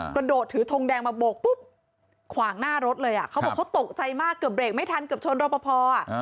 กระโดดถือทงแดงมาโบกปุ๊บขวางหน้ารถเลยอ่ะเขาบอกเขาตกใจมากเกือบเรกไม่ทันเกือบชนรอปภ